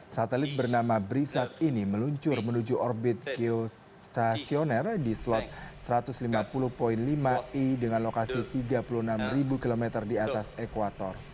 satelit bernama brisat ini meluncur menuju orbit geotationer di slot satu ratus lima puluh lima i dengan lokasi tiga puluh enam km di atas ekuator